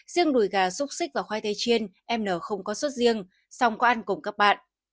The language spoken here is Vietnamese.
riêng đùi gà xúc xích và khoai tây chiên mn không có xuất riêng xong có ăn cùng các bạn